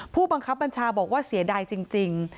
ผู้บังคับบัญชาบอกว่าเสียดายจริง